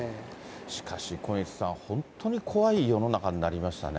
しかし、小西さん、本当に怖い世の中になりましたね。